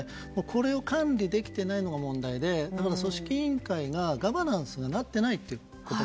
これを管理できていないのが問題で組織委員会のガバナンスがなっていないと。